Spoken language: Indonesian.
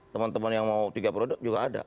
teman teman yang mau tiga produk juga ada